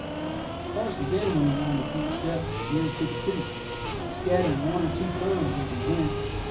The parson then went along a few steps nearer to the coop, scattering one or two kernels as he went.